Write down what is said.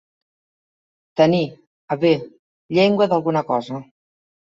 Tenir, haver, llengua d'alguna cosa.